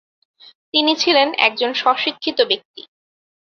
তিনি ছিলেন একজন স্ব-শিক্ষিত ব্যক্তি।